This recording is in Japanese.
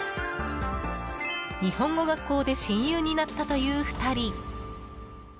日本語学校で親友になったという２人。